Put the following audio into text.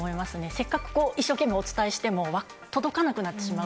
せっかく一生懸命お伝えしても、届かなくなってしまうと。